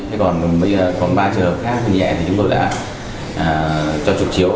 thế còn ba trường hợp khác nhẹ thì chúng tôi đã cho trục chiếu